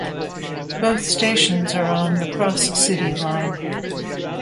Both stations are on the Cross-City Line.